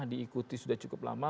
diikuti sudah cukup lama